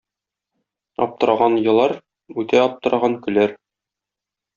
Аптыраган елар, үтә аптыраган көләр.